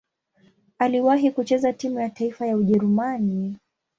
Aliwahi kucheza timu ya taifa ya Ujerumani.